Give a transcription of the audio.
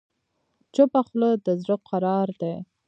چپه خوله، د زړه قرار دی.